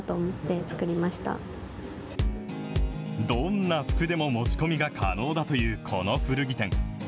どんな服でも持ち込みが可能だというこの古着店。